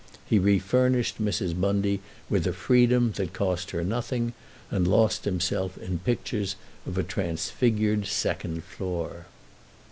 He refurnished Mrs. Bundy with a freedom that cost her nothing, and lost himself in pictures of a transfigured second floor.